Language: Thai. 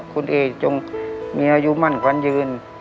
คุณเอจงมีอายุมั่นขวัญยืน